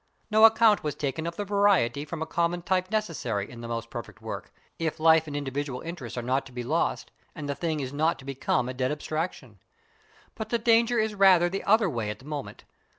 No account was taken of the variety from a common type necessary in the most perfect work, if life and individual interest are not to be lost, and the thing is not to become a dead abstraction. But the danger is rather the other way at the moment.